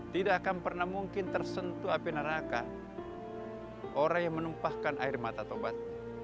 tidak akan pernah mungkin tersentuh api neraka orang yang menumpahkan air mata taubat